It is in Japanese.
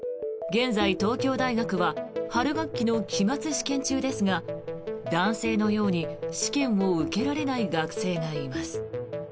現在、東京大学は春学期の期末試験中ですが男性のように試験を受けられない学生がいます。